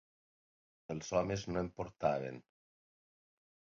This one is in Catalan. Els homes no en portaven.